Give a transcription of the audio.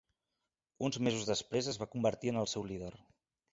Uns mesos després, es va convertir en el seu líder.